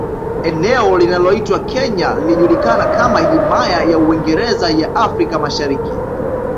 Eneo linaloitwa Kenya lilijulikana kama Himaya ya Uingereza ya Afrika Mashariki